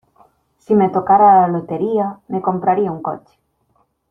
Si me tocara la lotería, me compraría un coche.